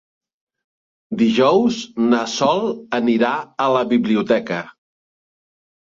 Dijous na Sol anirà a la biblioteca.